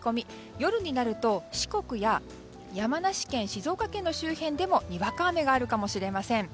夜になると四国や山梨県、静岡県の周辺でもにわか雨があるかもしれません。